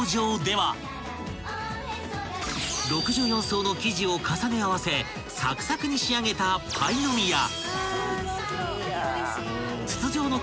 ［６４層の生地を重ね合わせサクサクに仕上げたパイの実や］